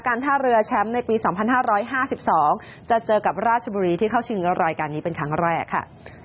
ท่าเรือแชมป์ในปี๒๕๕๒จะเจอกับราชบุรีที่เข้าชิงรายการนี้เป็นครั้งแรกค่ะ